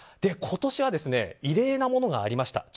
今年は異例なものがありました。